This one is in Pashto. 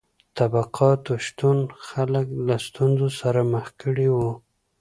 د طبقاتو شتون خلک له ستونزو سره مخ کړي وو.